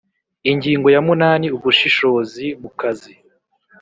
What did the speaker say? Ingingo ya munani Ubushishozi mu kazi